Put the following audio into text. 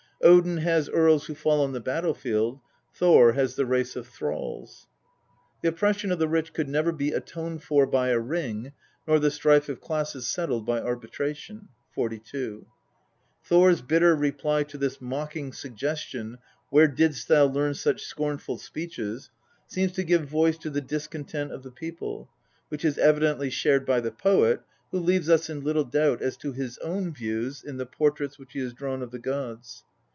" Odin has earls who fall on the battlefield, Thor has the race of thralls." The oppression of the rich couid never be " atoned for by a ring," nor the strife of classes settled by arbitration (42). Thor's bitter reply to this mocking suggestion, " Where didst thou learn such scornful speeches!" seems to give voice to the discontent of the people, which is evidently shared by the poet, who leaves us in little doubt as to his own views in the portraits which he has drawn of the gods.